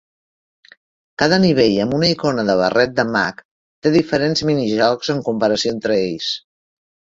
Cada nivell amb una icona de barret de mag té diferents mini-jocs en comparació entre ells.